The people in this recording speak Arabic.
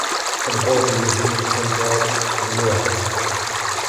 البُعد يزيد القلب ولوعا.